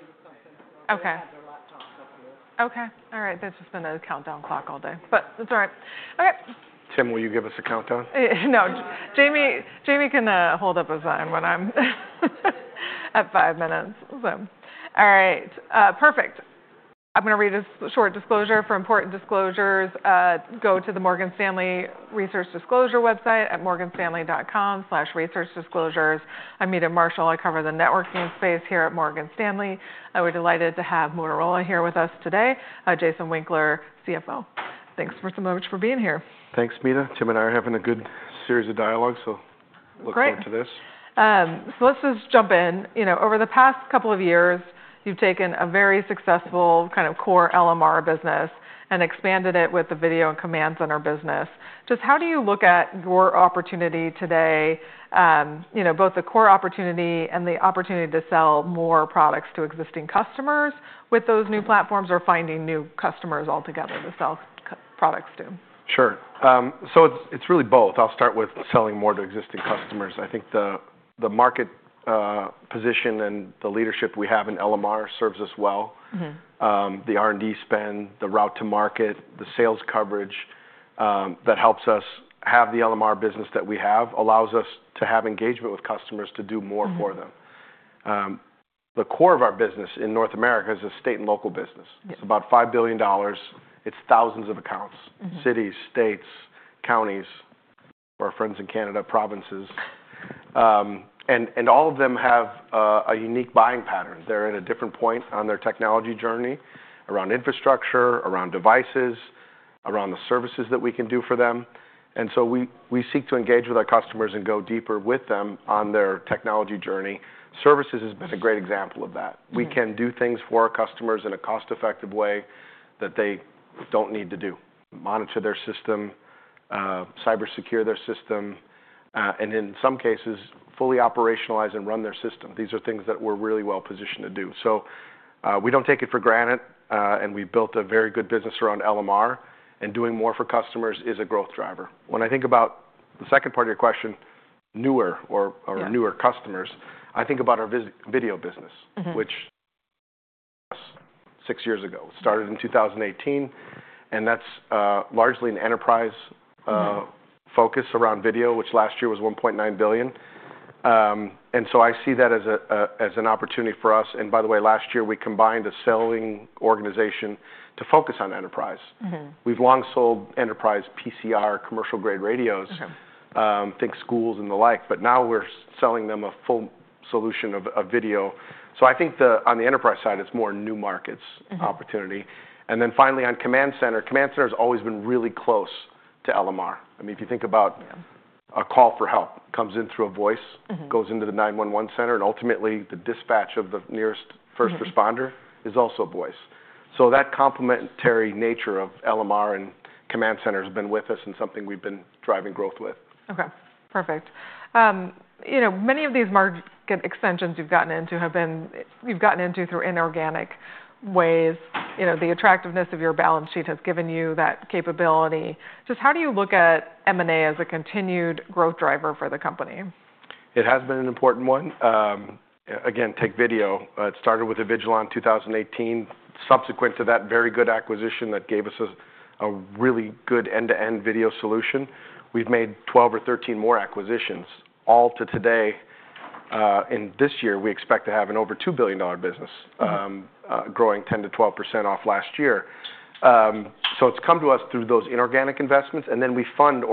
I feel like they did something wrong. Okay. They had their laptops up here. Okay. All right. That's just been a countdown clock all day, but that's all right. Okay. Tim, will you give us a countdown? No. Jamie can hold up a sign when I'm at five minutes. All right. Perfect. I'm going to read a short disclosure. For important disclosures, go to the Morgan Stanley Research Disclosure website at morganstanley.com/researchdisclosures. I'm Meta Marshall. I cover the networking space here at Morgan Stanley. We're delighted to have Motorola here with us today. Jason Winkler, CFO. Thanks so much for being here. Thanks, Meta. Tim and I are having a good series of dialogue, so look forward to this. Great. Let's just jump in. Over the past couple of years, you've taken a very successful kind of core LMR business and expanded it with the video and command center business. Just how do you look at your opportunity today, both the core opportunity and the opportunity to sell more products to existing customers with those new platforms or finding new customers altogether to sell products to? Sure, so it's really both. I'll start with selling more to existing customers. I think the market position and the leadership we have in LMR serves us well. The R&D spend, the route to market, the sales coverage that helps us have the LMR business that we have allows us to have engagement with customers to do more for them. The core of our business in North America is a state and local business. It's about $5 billion. It's thousands of accounts: cities, states, counties, our friends in Canada, provinces, and all of them have a unique buying pattern. They're at a different point on their technology journey around infrastructure, around devices, around the services that we can do for them, and so we seek to engage with our customers and go deeper with them on their technology journey. Services has been a great example of that. We can do things for our customers in a cost-effective way that they don't need to do: monitor their system, cybersecure their system, and in some cases, fully operationalize and run their system. These are things that we're really well positioned to do. So we don't take it for granted, and we've built a very good business around LMR, and doing more for customers is a growth driver. When I think about the second part of your question, newer customers, I think about our video business, which started six years ago. It started in 2018, and that's largely an enterprise focus around video, which last year was $1.9 billion. And by the way, last year, we combined a selling organization to focus on enterprise. We've long sold enterprise PCR, commercial-grade radios, think schools and the like, but now we're selling them a full solution of video. So I think on the enterprise side, it's more new markets opportunity. And then finally, on command center, command center has always been really close to LMR. I mean, if you think about a call for help, it comes in through a voice, goes into the 911 center, and ultimately, the dispatch of the nearest first responder is also a voice. So that complementary nature of LMR and command center has been with us and something we've been driving growth with. Okay. Perfect. Many of these market extensions you've gotten into have been through inorganic ways. The attractiveness of your balance sheet has given you that capability. Just how do you look at M&A as a continued growth driver for the company? It has been an important one. Again, take video. It started with an Avigilon in 2018. Subsequent to that very good acquisition that gave us a really good end-to-end video solution, we've made 12 or 13 more acquisitions, all told to date. And this year, we expect to have an over $2 billion business, growing 10%-12% off last year. So it's come to us through those inorganic investments, and then we fund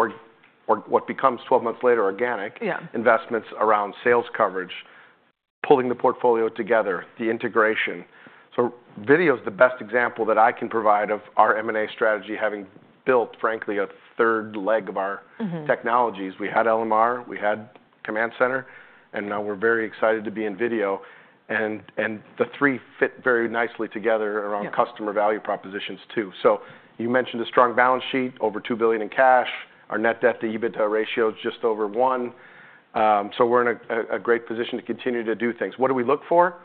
what becomes 12 months later organic investments around sales coverage, pulling the portfolio together, the integration. So video is the best example that I can provide of our M&A strategy, having built, frankly, a third leg of our technologies. We had LMR, we had Command Center, and now we're very excited to be in video. And the three fit very nicely together around customer value propositions too. So you mentioned a strong balance sheet, over $2 billion in cash. Our net debt-to-EBITDA ratio is just over one. So we're in a great position to continue to do things. What do we look for?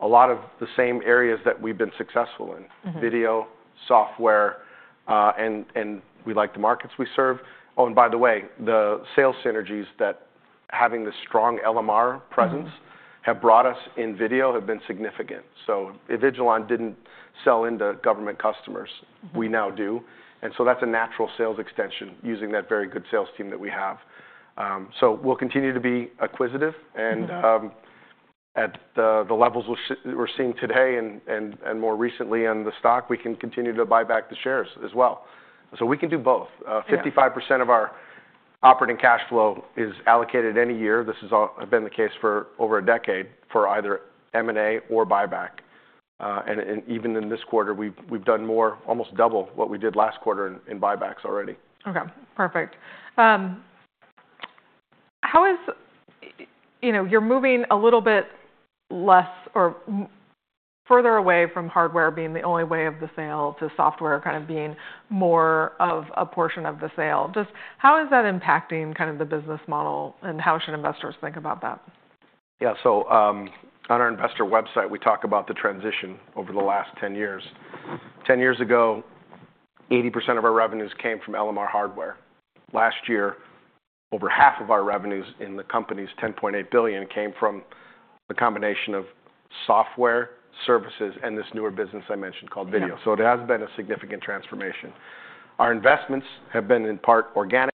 A lot of the same areas that we've been successful in: video, software, and we like the markets we serve. Oh, and by the way, the sales synergies that having the strong LMR presence have brought us in video have been significant. So Avigilon didn't sell into government customers. We now do. And so that's a natural sales extension using that very good sales team that we have. So we'll continue to be acquisitive, and at the levels we're seeing today and more recently on the stock, we can continue to buy back the shares as well. So we can do both. 55% of our operating cash flow is allocated any year. This has been the case for over a decade for either M&A or buyback, and even in this quarter, we've done more, almost double what we did last quarter in buybacks already. Okay. Perfect. How are you moving a little bit less or further away from hardware being the only way of the sale to software kind of being more of a portion of the sale? Just how is that impacting kind of the business model, and how should investors think about that? Yeah. So on our investor website, we talk about the transition over the last 10 years. 10 years ago, 80% of our revenues came from LMR hardware. Last year, over half of our revenues in the company's $10.8 billion came from the combination of software services and this newer business I mentioned called video. So it has been a significant transformation. Our investments have been in part organic.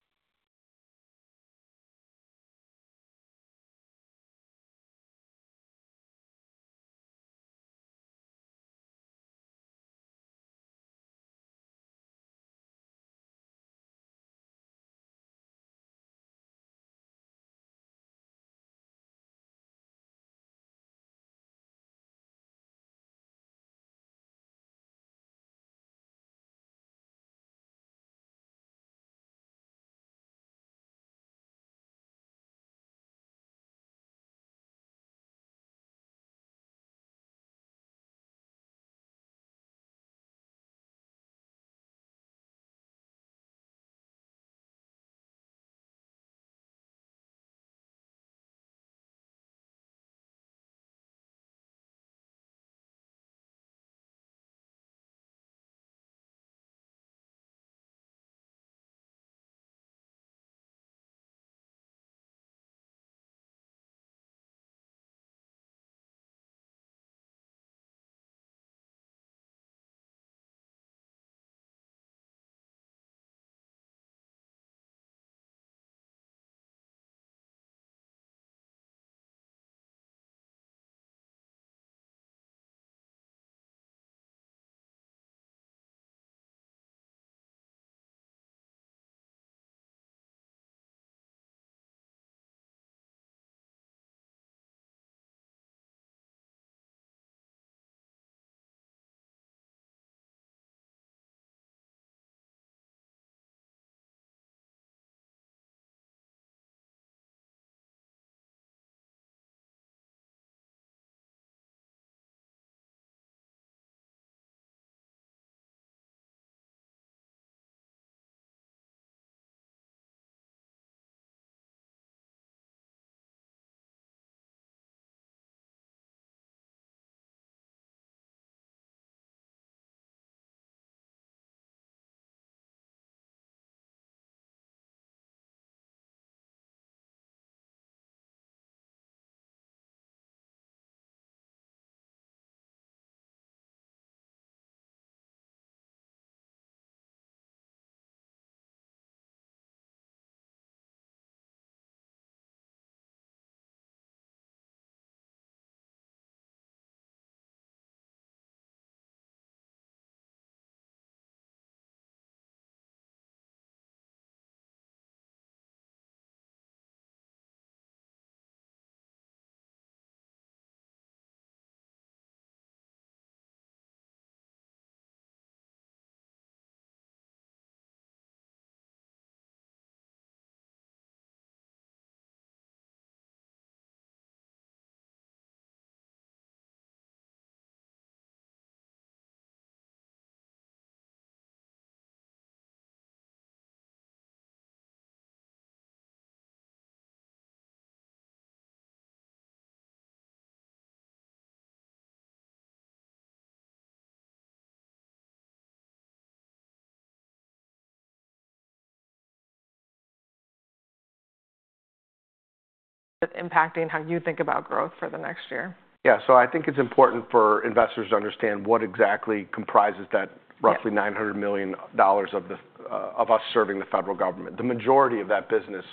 That's impacting how you think about growth for the next year. Yeah. So I think it's important for investors to understand what exactly comprises that roughly $900 million of us serving the federal government. The majority of that business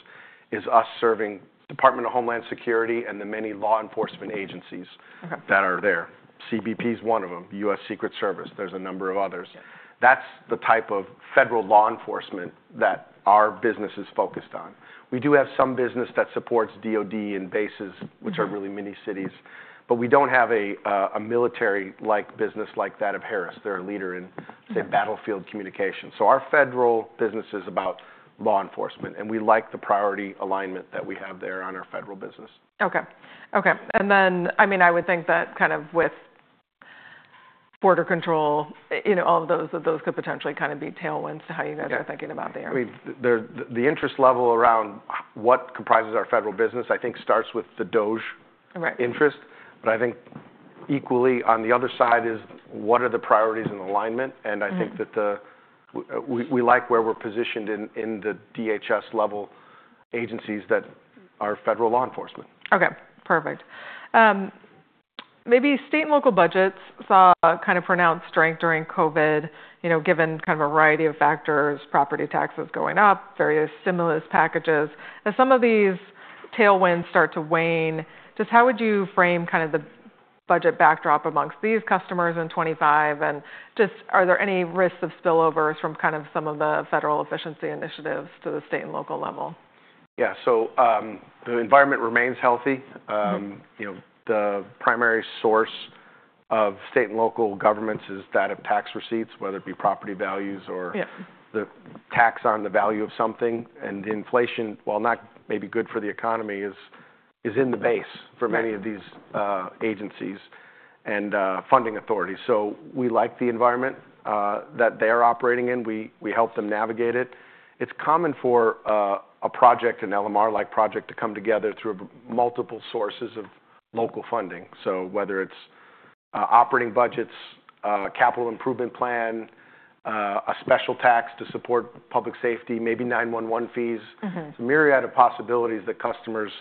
is us serving the Department of Homeland Security and the many law enforcement agencies that are there. CBP is one of them, U.S. Secret Service. There's a number of others. That's the type of federal law enforcement that our business is focused on. We do have some business that supports DOD and bases, which are really mini cities, but we don't have a military-like business like that of Harris. They're a leader in, say, battlefield communication. So our federal business is about law enforcement, and we like the priority alignment that we have there on our federal business. Okay. Okay. And then, I mean, I would think that kind of with border control, all of those could potentially kind of be tailwinds to how you guys are thinking about the area. I mean, the interest level around what comprises our federal business, I think, starts with the DOGE interest, but I think equally, on the other side is what are the priorities and alignment, and I think that we like where we're positioned in the DHS-level agencies that are federal law enforcement. Okay. Perfect. Maybe state and local budgets saw kind of pronounced strength during COVID, given kind of a variety of factors: property taxes going up, various stimulus packages. As some of these tailwinds start to wane, just how would you frame kind of the budget backdrop amongst these customers in 2025? And just, are there any risks of spillovers from kind of some of the federal efficiency initiatives to the state and local level? Yeah. So the environment remains healthy. The primary source of state and local governments is that of tax receipts, whether it be property values or the tax on the value of something. And inflation, while not maybe good for the economy, is in the base for many of these agencies and funding authorities. So we like the environment that they are operating in. We help them navigate it. It's common for a project, an LMR-like project, to come together through multiple sources of local funding. So whether it's operating budgets, capital improvement plan, a special tax to support public safety, maybe 911 fees, it's a myriad of possibilities that customers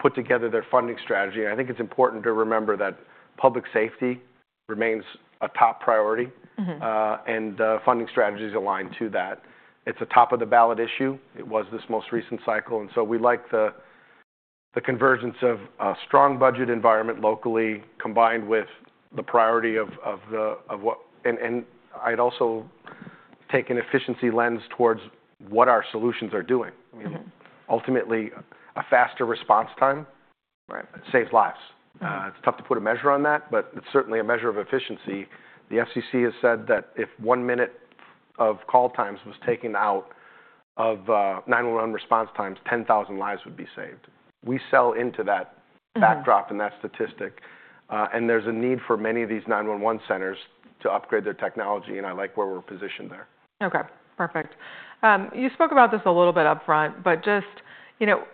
put together their funding strategy. And I think it's important to remember that public safety remains a top priority, and funding strategies align to that. It's a top-of-the-ballot issue. It was this most recent cycle. And so we like the convergence of a strong budget environment locally combined with the priority of what, and I'd also take an efficiency lens towards what our solutions are doing. I mean, ultimately, a faster response time saves lives. It's tough to put a measure on that, but it's certainly a measure of efficiency. The FCC has said that if one minute of call times was taken out of 911 response times, 10,000 lives would be saved. We sell into that backdrop and that statistic. And there's a need for many of these 911 centers to upgrade their technology, and I like where we're positioned there. Okay. Perfect. You spoke about this a little bit upfront, but just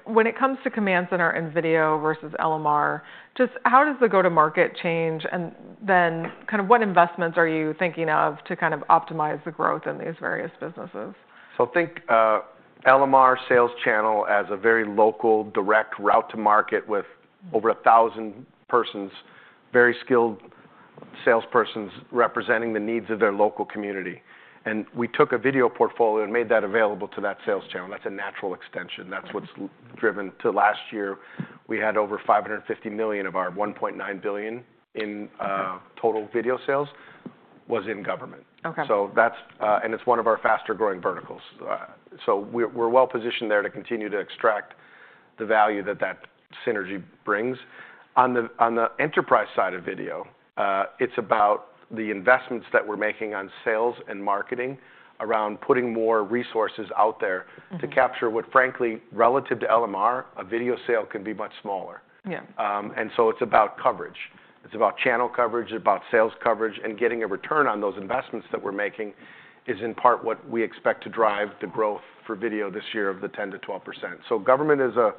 when it comes to command center and video versus LMR, just how does the go-to-market change? And then kind of what investments are you thinking of to kind of optimize the growth in these various businesses? So think LMR sales channel as a very local, direct route to market with over 1,000 persons, very skilled salespersons representing the needs of their local community. And we took a video portfolio and made that available to that sales channel. That's a natural extension. That's what's driven to last year. We had over $550 million of our $1.9 billion in total video sales was in government. And it's one of our faster-growing verticals. So we're well positioned there to continue to extract the value that that synergy brings. On the enterprise side of video, it's about the investments that we're making on sales and marketing around putting more resources out there to capture what, frankly, relative to LMR, a video sale can be much smaller. And so it's about coverage. It's about channel coverage, about sales coverage, and getting a return on those investments that we're making is in part what we expect to drive the growth for video this year of the 10%-12%. So government is a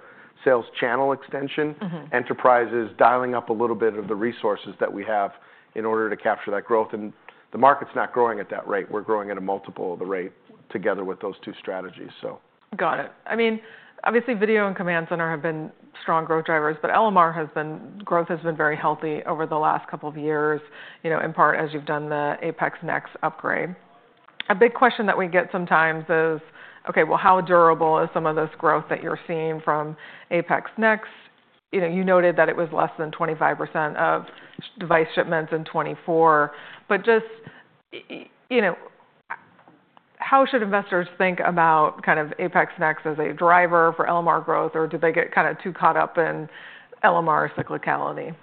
sales channel extension. Enterprise is dialing up a little bit of the resources that we have in order to capture that growth. And the market's not growing at that rate. We're growing at a multiple of the rate together with those two strategies, so. Got it. I mean, obviously, video and command center have been strong growth drivers, but LMR growth has been very healthy over the last couple of years, in part as you've done the APX Next upgrade. A big question that we get sometimes is, "Okay, well, how durable is some of this growth that you're seeing from APX Next?" You noted that it was less than 25% of device shipments in 2024. But just how should investors think about kind of APX Next as a driver for LMR growth, or do they get kind of too caught up in LMR cyclicality?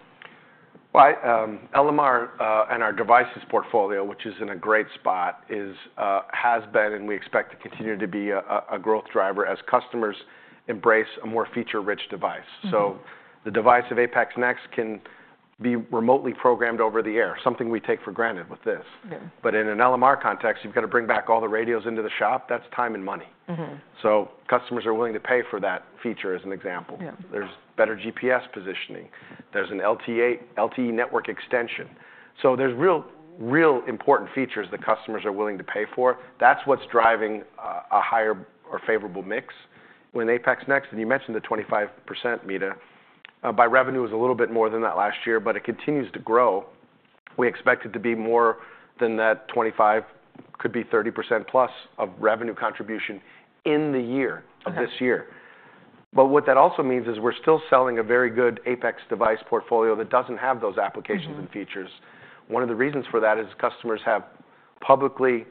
LMR and our devices portfolio, which is in a great spot, has been and we expect to continue to be a growth driver as customers embrace a more feature-rich device. So the device of APX Next can be remotely programmed over the air, something we take for granted with this. But in an LMR context, you've got to bring back all the radios into the shop. That's time and money. So customers are willing to pay for that feature, as an example. There's better GPS positioning. There's an LTE network extension. So there's real important features that customers are willing to pay for. That's what's driving a higher or favorable mix with APX Next. And you mentioned the 25% margin. By revenue, it was a little bit more than that last year, but it continues to grow. We expect it to be more than that 25%, could be 30% plus of revenue contribution in the year of this year. But what that also means is we're still selling a very good APX device portfolio that doesn't have those applications and features. One of the reasons for that is customers have publicly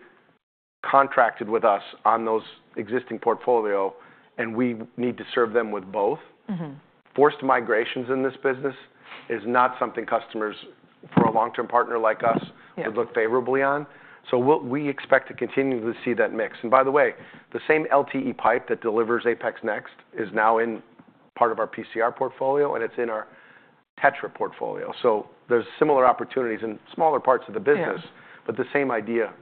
contracted with us on those existing portfolio, and we need to serve them with both. Forced migrations in this business is not something customers for a long-term partner like us would look favorably on. So we expect to continue to see that mix. And by the way, the same LTE pipe that delivers APX Next is now in part of our PCR portfolio, and it's in our TETRA portfolio. So there's similar opportunities in smaller parts of the business, but the same idea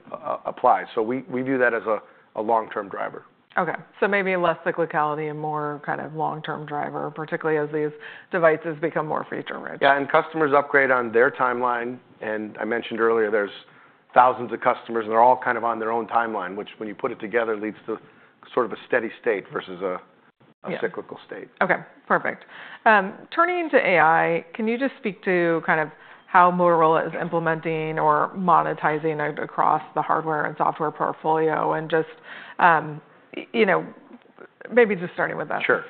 applies. So we view that as a long-term driver. Okay, so maybe less cyclicality and more kind of long-term driver, particularly as these devices become more feature-rich. Yeah. And customers upgrade on their timeline. And I mentioned earlier there's thousands of customers, and they're all kind of on their own timeline, which when you put it together leads to sort of a steady state versus a cyclical state. Okay. Perfect. Turning to AI, can you just speak to kind of how Motorola is implementing or monetizing across the hardware and software portfolio? And maybe just starting with that. Sure.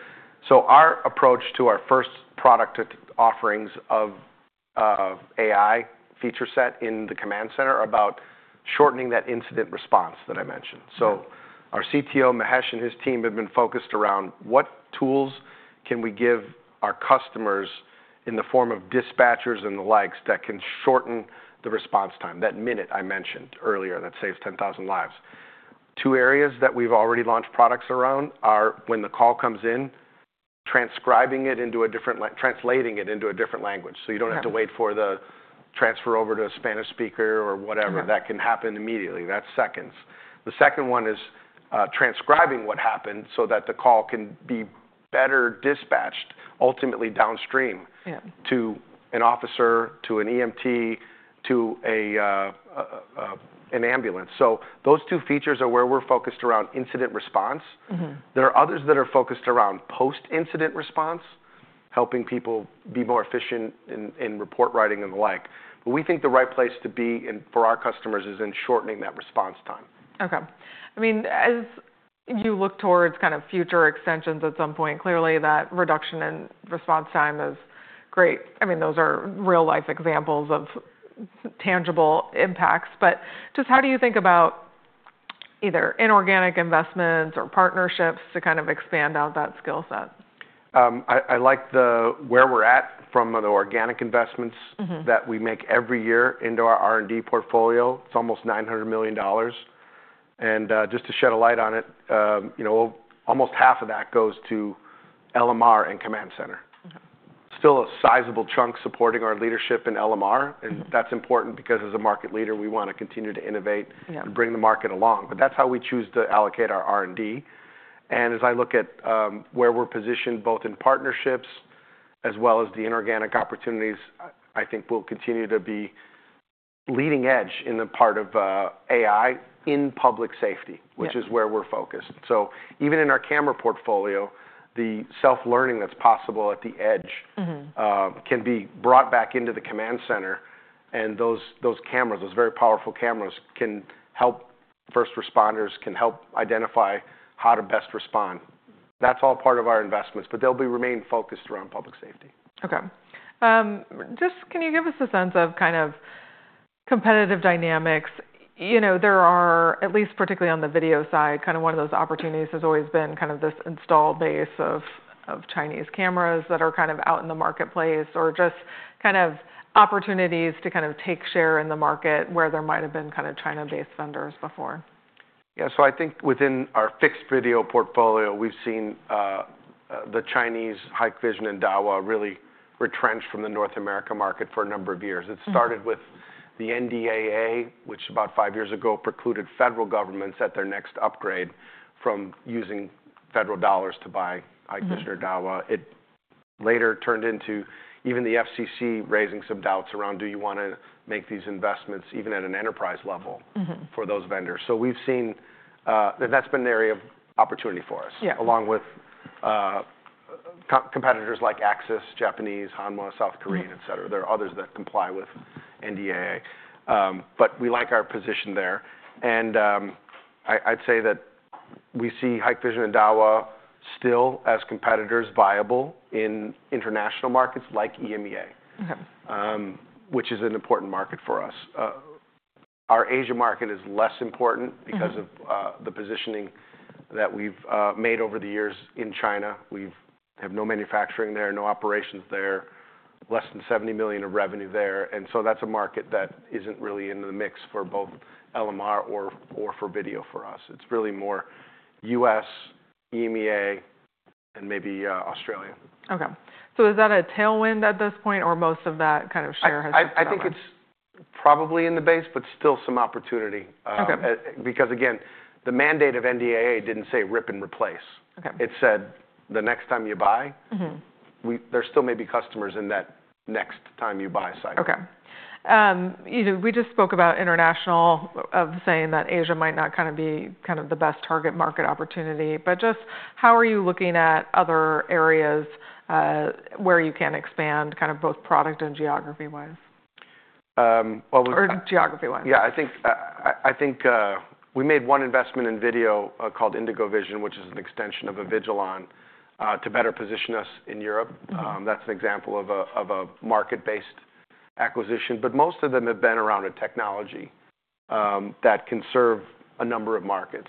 So our approach to our first product offerings of AI feature set in the Command Center is about shortening that incident response that I mentioned. So our CTO, Mahesh, and his team have been focused around what tools can we give our customers in the form of dispatchers and the likes that can shorten the response time, that minute I mentioned earlier that saves 10,000 lives. Two areas that we've already launched products around are when the call comes in, transcribing it into a different language, translating it into a different language. So you don't have to wait for the transfer over to a Spanish speaker or whatever. That can happen immediately. That's seconds. The second one is transcribing what happened so that the call can be better dispatched, ultimately downstream, to an officer, to an EMT, to an ambulance. Those two features are where we're focused around incident response. There are others that are focused around post-incident response, helping people be more efficient in report writing and the like. But we think the right place to be for our customers is in shortening that response time. Okay. I mean, as you look towards kind of future extensions at some point, clearly that reduction in response time is great. I mean, those are real-life examples of tangible impacts. But just how do you think about either inorganic investments or partnerships to kind of expand out that skill set? I like where we're at from the organic investments that we make every year into our R&D portfolio. It's almost $900 million, and just to shed a light on it, almost half of that goes to LMR and command center. Still a sizable chunk supporting our leadership in LMR. That's important because as a market leader, we want to continue to innovate and bring the market along. That's how we choose to allocate our R&D. As I look at where we're positioned both in partnerships as well as the inorganic opportunities, I think we'll continue to be leading edge in the part of AI in public safety, which is where we're focused. Even in our camera portfolio, the self-learning that's possible at the edge can be brought back into the command center. And those cameras, those very powerful cameras, can help first responders, can help identify how to best respond. That's all part of our investments, but they'll remain focused around public safety. Okay. Just, can you give us a sense of kind of competitive dynamics? There are, at least particularly on the video side, kind of one of those opportunities has always been kind of this installed base of Chinese cameras that are kind of out in the marketplace or just kind of opportunities to kind of take share in the market where there might have been kind of China-based vendors before. Yeah. So I think within our fixed video portfolio, we've seen the Chinese Hikvision and Dahua really retrench from the North America market for a number of years. It started with the NDAA, which about five years ago precluded federal governments at their next upgrade from using federal dollars to buy Hikvision or Dahua. It later turned into even the FCC raising some doubts around, "Do you want to make these investments even at an enterprise level for those vendors?" So we've seen that that's been an area of opportunity for us, along with competitors like Axis, Japanese, Hanwha, South Korean, etc. There are others that comply with NDAA. But we like our position there. And I'd say that we see Hikvision and Dahua still as competitors viable in international markets like EMEA, which is an important market for us. Our Asia market is less important because of the positioning that we've made over the years in China. We have no manufacturing there, no operations there, less than $70 million of revenue there. And so that's a market that isn't really in the mix for both LMR or for video for us. It's really more U.S., EMEA, and maybe Australia. Okay. So is that a tailwind at this point, or most of that kind of share has been bought? I think it's probably in the base, but still some opportunity. Because again, the mandate of NDAA didn't say rip and replace. It said the next time you buy, there still may be customers in that next time you buy cycle. Okay. We just spoke about international, saying that Asia might not kind of be the best target market opportunity. But just how are you looking at other areas where you can expand kind of both product and geography-wise? Well. Or geography-wise? Yeah. I think we made one investment in video called IndigoVision, which is an extension of a Avigilon to better position us in Europe. That's an example of a market-based acquisition. But most of them have been around a technology that can serve a number of markets.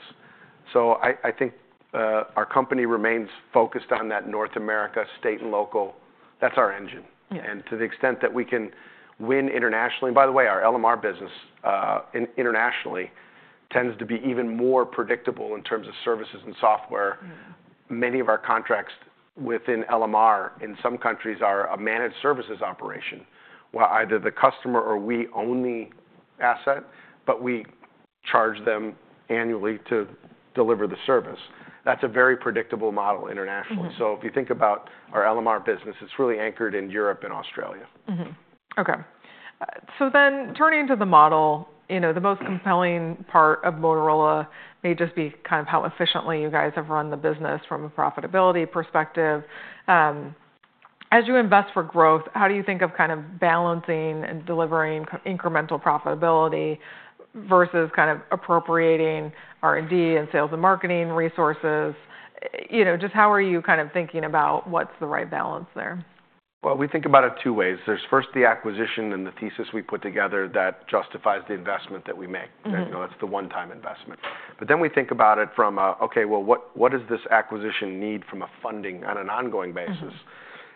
So I think our company remains focused on that North America state and local. That's our engine. And to the extent that we can win internationally, and by the way, our LMR business internationally tends to be even more predictable in terms of services and software, many of our contracts within LMR in some countries are a managed services operation where either the customer or we own the asset, but we charge them annually to deliver the service. That's a very predictable model internationally. So if you think about our LMR business, it's really anchored in Europe and Australia. Okay. So then turning to the model, the most compelling part of Motorola may just be kind of how efficiently you guys have run the business from a profitability perspective. As you invest for growth, how do you think of kind of balancing and delivering incremental profitability versus kind of appropriating R&D and sales and marketing resources? Just how are you kind of thinking about what's the right balance there? Well, we think about it two ways. There's first the acquisition and the thesis we put together that justifies the investment that we make. That's the one-time investment. But then we think about it from a, "Okay, well, what does this acquisition need from a funding on an ongoing basis?"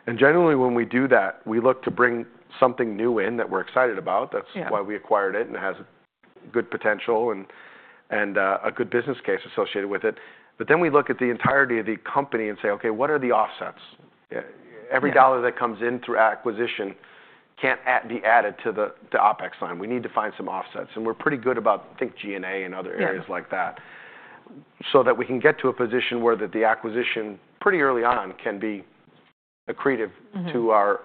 And generally, when we do that, we look to bring something new in that we're excited about. That's why we acquired it, and it has good potential and a good business case associated with it. But then we look at the entirety of the company and say, "Okay, what are the offsets?" Every dollar that comes in through acquisition can't be added to the OpEx line. We need to find some offsets. And we're pretty good about, I think, G&A and other areas like that, so that we can get to a position where the acquisition pretty early on can be accretive to our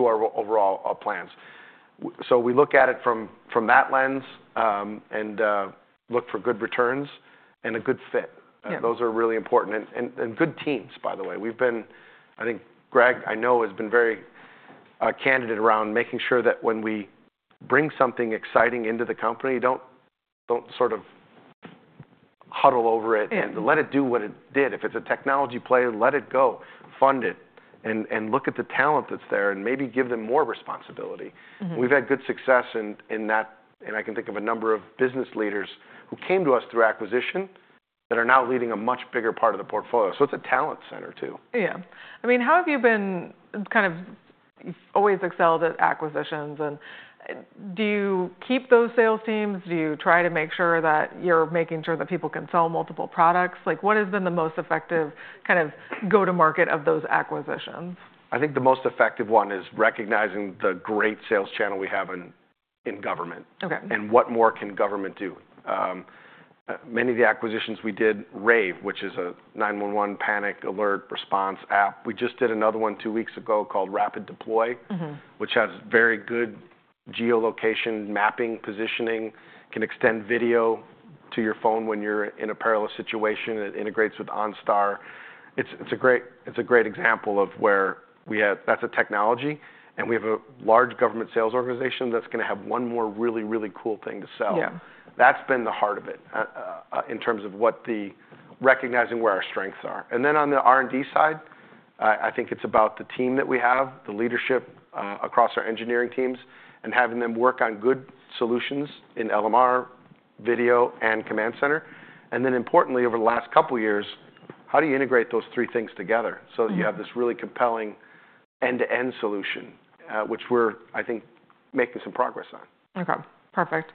overall plans. So we look at it from that lens and look for good returns and a good fit. Those are really important. And good teams, by the way. We've been, I think, Greg, I know, has been very candid around making sure that when we bring something exciting into the company, don't sort of huddle over it and let it do what it did. If it's a technology play, let it go, fund it, and look at the talent that's there and maybe give them more responsibility. We've had good success in that, and I can think of a number of business leaders who came to us through acquisition that are now leading a much bigger part of the portfolio, so it's a talent center too. Yeah. I mean, how have you been kind of always excelled at acquisitions? And do you keep those sales teams? Do you try to make sure that you're making sure that people can sell multiple products? What has been the most effective kind of go-to-market of those acquisitions? I think the most effective one is recognizing the great sales channel we have in government and what more can government do. Many of the acquisitions we did, Rave, which is a 911 panic alert response app. We just did another one two weeks ago called RapidDeploy, which has very good geolocation mapping, positioning, can extend video to your phone when you're in a perilous situation. It integrates with OnStar. It's a great example of where we have. That's a technology, and we have a large government sales organization that's going to have one more really, really cool thing to sell. That's been the heart of it in terms of recognizing where our strengths are. Then on the R&D side, I think it's about the team that we have, the leadership across our engineering teams, and having them work on good solutions in LMR, video, and command center. And then importantly, over the last couple of years, how do you integrate those three things together so that you have this really compelling end-to-end solution, which we're, I think, making some progress on? Okay. Perfect.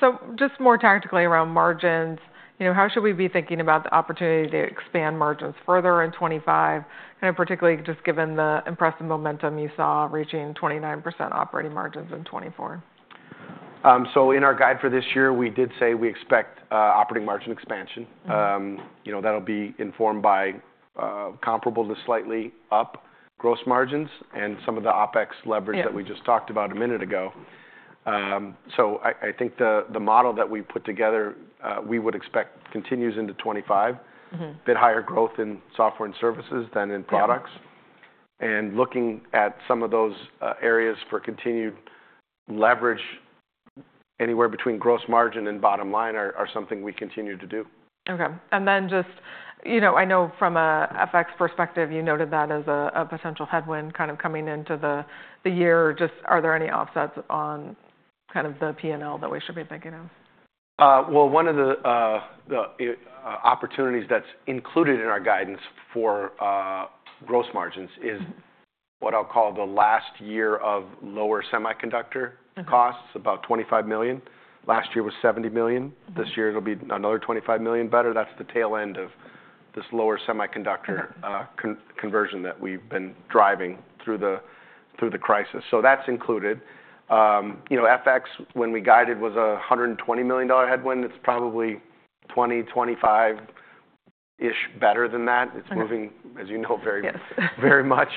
So just more tactically around margins, how should we be thinking about the opportunity to expand margins further in 2025, particularly just given the impressive momentum you saw reaching 29% operating margins in 2024? So in our guide for this year, we did say we expect operating margin expansion. That'll be informed by comparable to slightly up gross margins and some of the OpEx leverage that we just talked about a minute ago. So I think the model that we put together, we would expect continues into 2025, a bit higher growth in software and services than in products. And looking at some of those areas for continued leverage anywhere between gross margin and bottom line are something we continue to do. Okay. And then just I know from an FX perspective, you noted that as a potential headwind kind of coming into the year. Just are there any offsets on kind of the P&L that we should be thinking of? One of the opportunities that's included in our guidance for gross margins is what I'll call the last year of lower semiconductor costs, about $25 million. Last year was $70 million. This year, it'll be another $25 million better. That's the tail end of this lower semiconductor conversion that we've been driving through the crisis. That's included. FX, when we guided, was a $120 million headwind. It's probably 20, 25-ish better than that. It's moving, as you know, very much.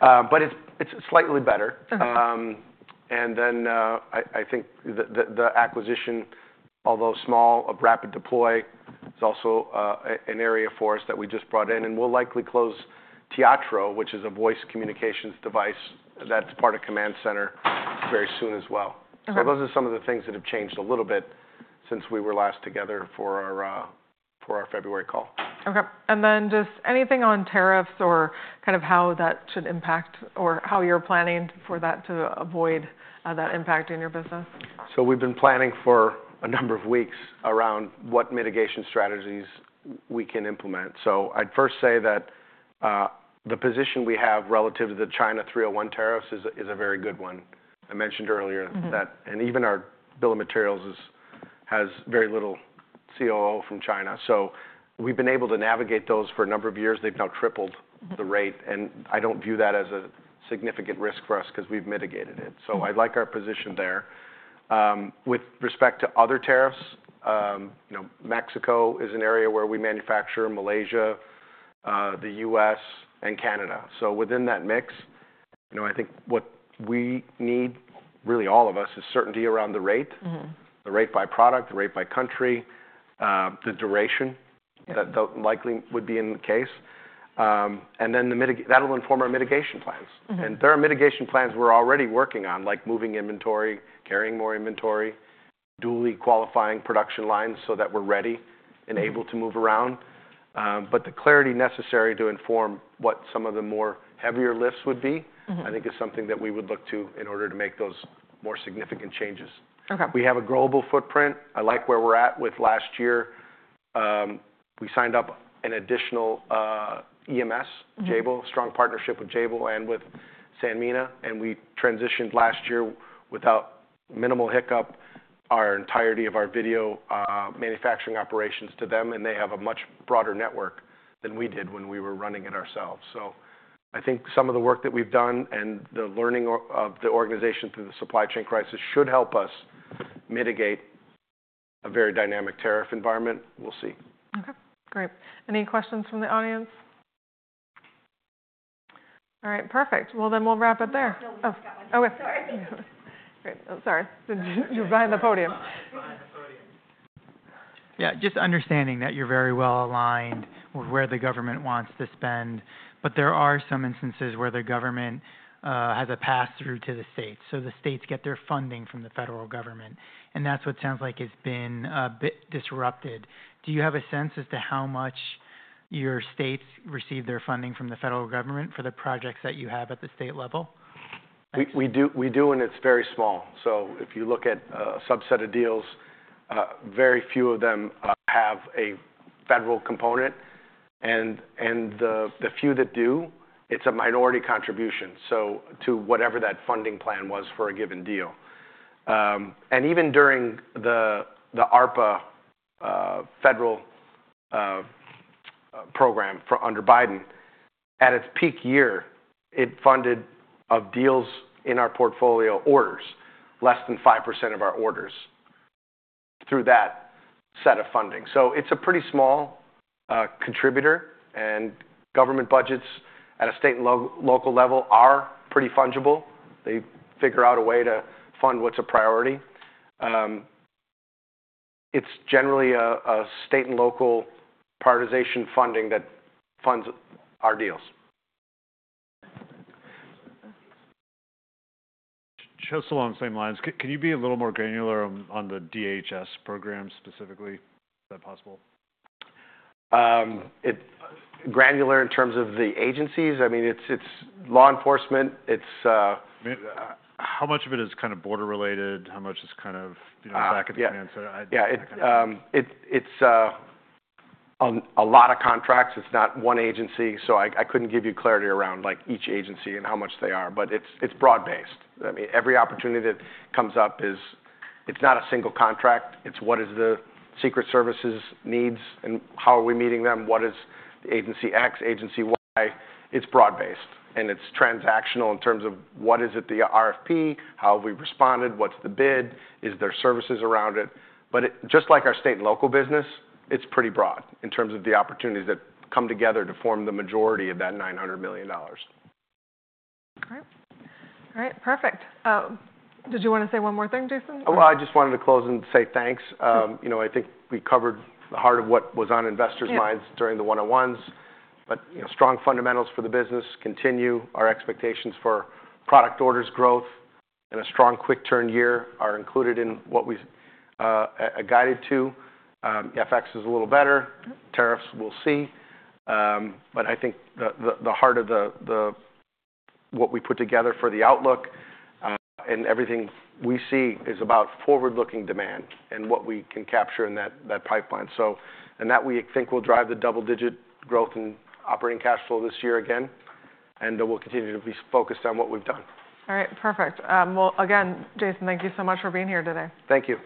But it's slightly better. Then I think the acquisition, although small, of RapidDeploy is also an area for us that we just brought in. We'll likely close Theatro, which is a voice communications device that's part of Command Center very soon as well. Those are some of the things that have changed a little bit since we were last together for our February call. Okay. And then just anything on tariffs or kind of how that should impact or how you're planning for that to avoid that impact in your business? So we've been planning for a number of weeks around what mitigation strategies we can implement. So I'd first say that the position we have relative to the Section 301 tariffs is a very good one. I mentioned earlier that, and even our bill of materials has very little COO from China. So we've been able to navigate those for a number of years. They've now tripled the rate. And I don't view that as a significant risk for us because we've mitigated it. So I'd like our position there. With respect to other tariffs, Mexico is an area where we manufacture, Malaysia, the U.S., and Canada. So within that mix, I think what we need, really all of us, is certainty around the rate, the rate by product, the rate by country, the duration that likely would be in the case. And then that'll inform our mitigation plans. And there are mitigation plans we're already working on, like moving inventory, carrying more inventory, duly qualifying production lines so that we're ready and able to move around. But the clarity necessary to inform what some of the more heavier lifts would be, I think, is something that we would look to in order to make those more significant changes. We have a global footprint. I like where we're at with last year. We signed up an additional EMS, Jabil, strong partnership with Jabil and with Sanmina. And we transitioned last year with minimal hiccup the entirety of our video manufacturing operations to them. And they have a much broader network than we did when we were running it ourselves. So I think some of the work that we've done and the learning of the organization through the supply chain crisis should help us mitigate a very dynamic tariff environment. We'll see. Okay. Great. Any questions from the audience? All right. Perfect. Well, then we'll wrap it there. No, we just got one question. Okay. Great. Sorry. You're behind the podium. Yeah. Just understanding that you're very well aligned with where the government wants to spend. But there are some instances where the government has a pass-through to the states. So the states get their funding from the federal government. And that's what sounds like has been a bit disrupted. Do you have a sense as to how much your states receive their funding from the federal government for the projects that you have at the state level? We do, and it's very small. So if you look at a subset of deals, very few of them have a federal component. And the few that do, it's a minority contribution to whatever that funding plan was for a given deal. And even during the ARPA federal program under Biden, at its peak year, it funded of deals in our portfolio orders, less than 5% of our orders through that set of funding. So it's a pretty small contributor. And government budgets at a state and local level are pretty fungible. They figure out a way to fund what's a priority. It's generally a state and local prioritization funding that funds our deals. Just along the same lines, can you be a little more granular on the DHS program specifically if that's possible? Granular in terms of the agencies? I mean, it's law enforcement. How much of it is kind of border-related? How much is kind of back at command center? Yeah. It's a lot of contracts. It's not one agency. So I couldn't give you clarity around each agency and how much they are. But it's broad-based. I mean, every opportunity that comes up, it's not a single contract. It's what is the Secret Service's needs and how are we meeting them? What is agency X, agency Y? It's broad-based. And it's transactional in terms of what is it the RFP, how have we responded, what's the bid, is there services around it? But just like our state and local business, it's pretty broad in terms of the opportunities that come together to form the majority of that $900 million. Great. All right. Perfect. Did you want to say one more thing, Jason? I just wanted to close and say thanks. I think we covered the heart of what was on investors' minds during the one-on-ones. But strong fundamentals for the business continue. Our expectations for product orders growth and a strong quick-turn year are included in what we guided to. FX is a little better. Tariffs, we'll see. But I think the heart of what we put together for the outlook and everything we see is about forward-looking demand and what we can capture in that pipeline. And that we think will drive the double-digit growth in operating cash flow this year again. And we'll continue to be focused on what we've done. All right. Perfect. Well, again, Jason, thank you so much for being here today. Thank you.